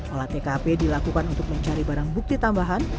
olah tkp dilakukan untuk mencari barang bukti tambahan